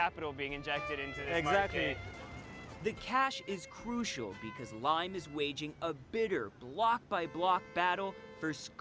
perang elektrik skuter ini datang